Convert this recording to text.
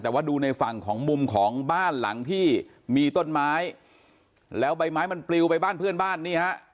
แต่ว่าดูในฝั่งของมุมของบ้านหลังที่มีต้นไม้แล้วใบไม้มันปลิวไปบ้านเพื่อนบ้านนี่ฮะ